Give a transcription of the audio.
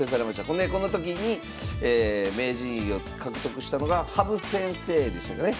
それでこの時に名人位を獲得したのが羽生先生でしたかね